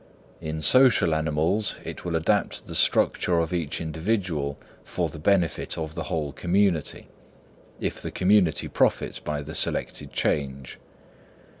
In social animals it will adapt the structure of each individual for the benefit of the whole community; if the community profits by the selected change.